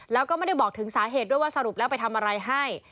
แล้วก็ไม่ได้บอกถึงสาเหตุด้วยว่าสรุปแล้วไปทำอะไรให้